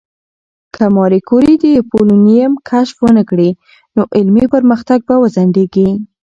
که ماري کوري د پولونیم کشف ونکړي، نو علمي پرمختګ به وځنډېږي.